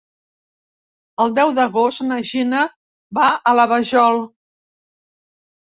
El deu d'agost na Gina va a la Vajol.